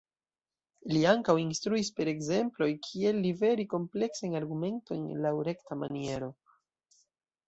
Li ankaŭ instruis per ekzemploj kiel liveri kompleksajn argumentojn laŭ rekta maniero.